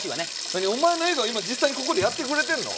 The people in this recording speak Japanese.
何お前の映画を今実際にここでやってくれてんの？